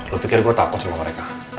lo pikir gue takut sama mereka